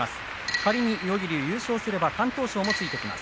仮に妙義龍が優勝すれば敢闘賞もついてきます。